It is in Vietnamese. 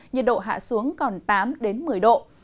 nhiệt độ hạ xuống còn tám một mươi độ